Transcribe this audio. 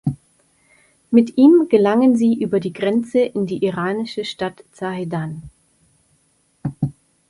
Mit ihm gelangen sie über die Grenze in die iranische Stadt Zahedan.